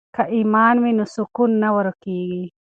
که ایمان وي نو سکون نه ورکیږي.